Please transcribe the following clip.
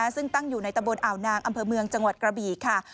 ซึ่งตั้งอยู่ในตะบนอ่าวนางอำเภอเมืองจังหวัดกระบี่ค่ะ